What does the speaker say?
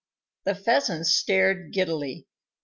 The Pheasants stared giddily.